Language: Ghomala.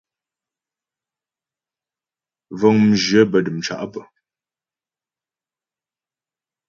Vəŋ mjyə̂ bə́ dəmcá pə́.